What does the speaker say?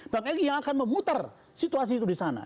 bang egy yang akan memutar situasi itu disana